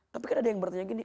tapi kan ada yang bertanya gini